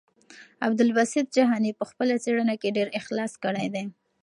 عبدالباسط جهاني په خپله څېړنه کې ډېر اخلاص کړی دی.